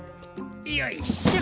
よいしょ。